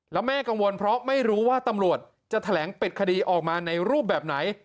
แล้วแม่กังวลเพราะไม่รู้ว่าตำรวจจะแถลงปิดคดีออกมาในรูปแบบไหน